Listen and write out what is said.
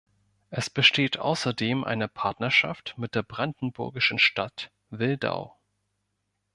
Es besteht außerdem eine Partnerschaft mit der brandenburgischen Stadt Wildau.